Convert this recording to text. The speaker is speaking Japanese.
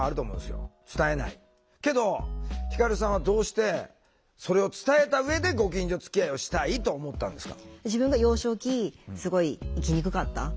けど輝さんはどうしてそれを伝えた上でご近所づきあいをしたいと思ったんですか？